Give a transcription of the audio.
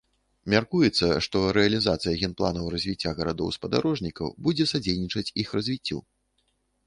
Мяркуецца, што рэалізацыя генпланаў развіцця гарадоў-спадарожнікаў будзе садзейнічаць іх развіццю.